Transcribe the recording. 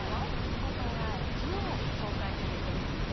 公開は昨日公開されていますね。